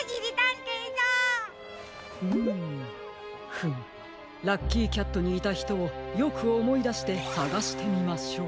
フムラッキーキャットにいたひとをよくおもいだしてさがしてみましょう。